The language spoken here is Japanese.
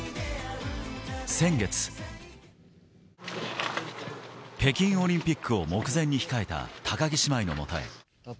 先月、北京オリンピックを目前に控えた高木姉妹の元へ。